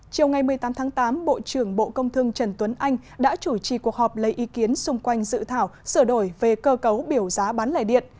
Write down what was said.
chiều ngày một mươi tám tháng tám bộ trưởng bộ công thương trần tuấn anh đã chủ trì cuộc họp lấy ý kiến xung quanh dự thảo sửa đổi về cơ cấu biểu giá bán lẻ điện